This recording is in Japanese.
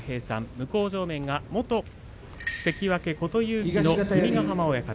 向正面は元関脇琴勇輝の君ヶ濱親方。